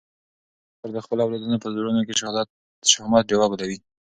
پلار د خپلو اولادونو په زړونو کي د شهامت ډېوه بلوي.